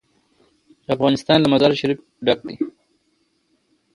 افغانستان له مزارشریف ډک دی.